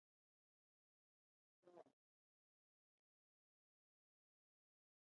"Fly" was the only single released in the United States.